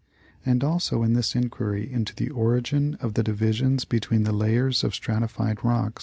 And also in his inquiry into the " Origin of the divisions between the layers of stratified rocks " (Proced.